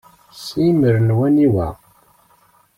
S yimmer n waniwa?